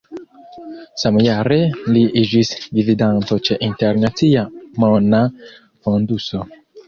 Samjare li iĝis gvidanto ĉe Internacia Mona Fonduso.